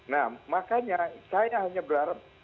nah makanya saya hanya berharap